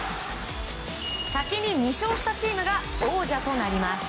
先に２勝したチームが王者となります。